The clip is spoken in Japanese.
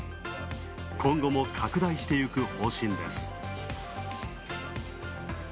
今後も拡大していく方針です。